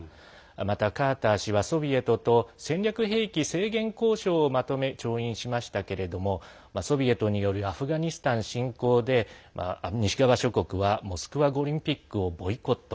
またカーター氏はソビエトと戦略兵器制限交渉をまとめ調印しましたけどもソビエトによりアフガニスタン侵攻で西側諸国はモスクワオリンピックをボイコット。